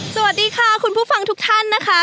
สวัสดีค่ะคุณผู้ฟังทุกท่านนะคะ